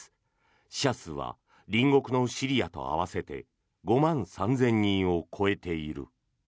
死者数は隣国のシリアと合わせて５万３０００人を超えている。